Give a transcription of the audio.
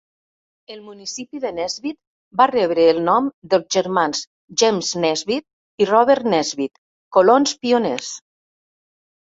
El municipi de Nesbit va rebre el nom dels germans James Nesbit i Robert Nesbit, colons pioners.